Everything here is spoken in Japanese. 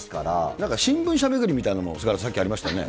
なんか新聞社巡りみたいなのも、さっきありましたね。